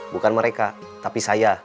bukan mereka tapi saya